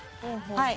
はい。